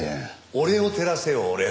俺を照らせよ俺を。